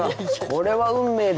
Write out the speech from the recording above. これは運命。